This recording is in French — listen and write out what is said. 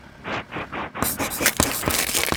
Les deux communes sont parcourues par l'Ance.